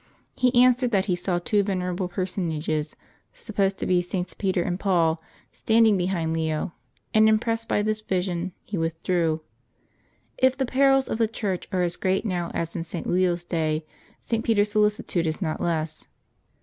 He answered that he saw two venerable personages, supposed to be Sts. Peter and Paul, standing behind Leo, and impressed by this vision he with drew. If the perils of the Church are as great now as in St. Leo's day, St. Peter's solicitude is not less.